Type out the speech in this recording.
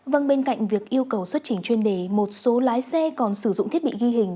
vâng bên cạnh việc yêu cầu xuất trình chuyên đề một số lái xe còn sử dụng thiết bị ghi hình